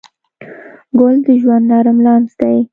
ګل د ژوند نرم لمس دی.